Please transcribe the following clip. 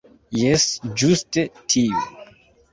Jes, ĝuste tiu.